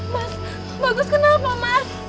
mas bagus kenapa mas